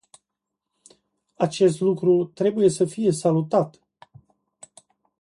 Acest lucru trebuie să fie salutat.